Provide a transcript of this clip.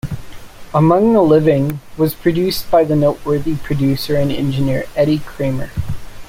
"Among the Living" was produced by the noteworthy producer and engineer Eddie Kramer.